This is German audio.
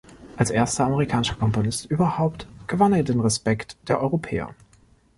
Als erster amerikanischer Komponist überhaupt gewann er den Respekt der Europäer.